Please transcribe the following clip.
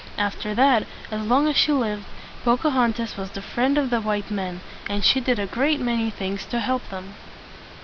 After that, as long as she lived, Po ca hon tas was the friend of the white men, and she did a great many things to help them.